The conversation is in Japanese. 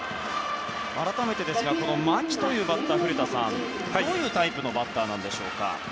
改めて、牧というバッターどういうタイプのバッターなんでしょうか。